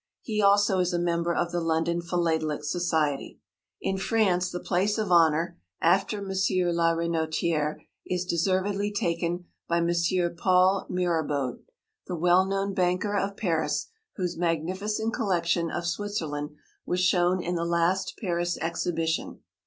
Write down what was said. He also is a member of the London Philatelic Society. In France the place of honour, after M. la Renotiérè, is deservedly taken by M. Paul Mirabaud, the well known banker of Paris, whose magnificent collection of Switzerland was shown in the last Paris Exhibition.